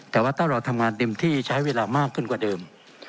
แต่ว่าถ้าเราทำงานเต็มที่ใช้เวลามากขึ้นกว่าเดิม